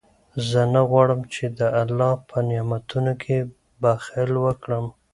زه نه غواړم چې د الله په نعمتونو کې بخل وکړم.